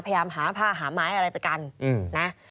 พยายามหาผ้าหาไม้อะไรไปกันนะ